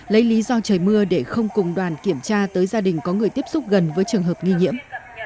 lấy lý do trời mưa để không cùng đoàn kiểm tra tới gia đình có người tiếp xúc gần với trường hợp nghi nhiễm